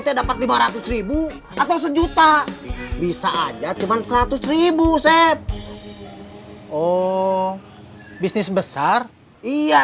te dapat lima ratus atau sejuta bisa aja cuman seratus set oh bisnis besar iya